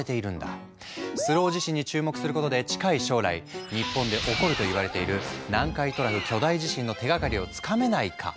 スロー地震に注目することで近い将来日本で起こるといわれている南海トラフ巨大地震の手がかりをつかめないか。